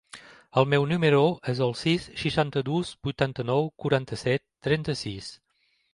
El meu número es el sis, seixanta-dos, vuitanta-nou, quaranta-set, trenta-sis.